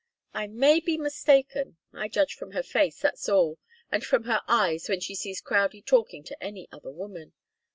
"I may be mistaken I judge from her face, that's all, and from her eyes when she sees Crowdie talking to any other woman."